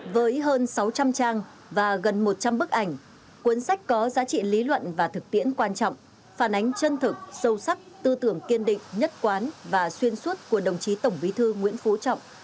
với hơn sáu trăm linh trang và gần một trăm linh bức ảnh cuốn sách có giá trị lý luận và thực tiễn quan trọng phản ánh chân thực sâu sắc tư tưởng kiên định nhất quán và xuyên suốt của đồng chí tổng bí thư nguyễn phú trọng